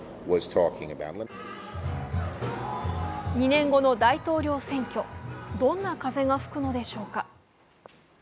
２年後の大統領選挙どんな風が吹くのでしょうか。